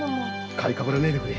買いかぶらねえでくれ。